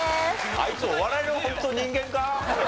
あいつお笑いの本当人間か？